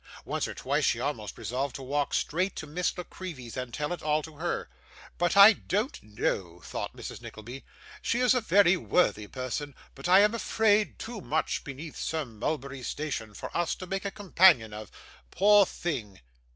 Once or twice she almost resolved to walk straight to Miss La Creevy's and tell it all to her. 'But I don't know,' thought Mrs Nickleby; 'she is a very worthy person, but I am afraid too much beneath Sir Mulberry's station for us to make a companion of. Poor thing!